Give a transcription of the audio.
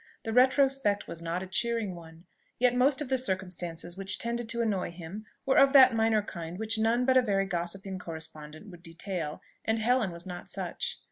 The retrospect was not a cheering one; yet most of the circumstances which tended to annoy him were of that minor kind which none but a very gossiping correspondent would detail and Helen was not such.